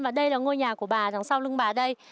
và đây là ngôi nhà của bà đằng sau lưng bà đây